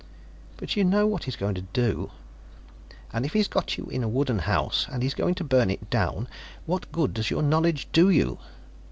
"But you know what he's going to do " "And if he's got you in a wooden house and he's going to burn it down, what good does your knowledge do you?"